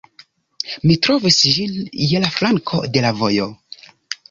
Mi trovis ĝin je la flanko de la vojo